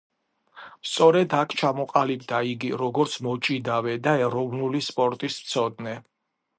სწორედ აქ ჩამოყალიბდა იგი როგორც მოჭიდავე და ეროვნული სპორტის მცოდნე.